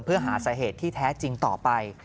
เพื่อหาสาเหตุที่แท้จริงต่อไป